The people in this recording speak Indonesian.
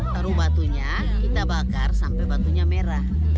taruh batunya kita bakar sampai batunya merah